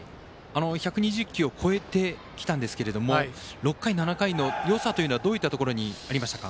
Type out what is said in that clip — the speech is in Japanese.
１２０球を超えてきたんですけども６回、７回のよさというのはどこにありましたか？